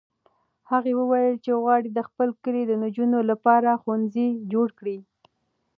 هغه وویل چې غواړي د خپل کلي د نجونو لپاره ښوونځی جوړ کړي.